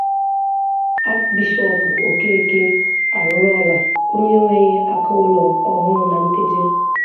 Achbishọọpụ Okeke Arụọrọla Onye Enweghị Aka Ụlọ Ọhụụ Na Nteje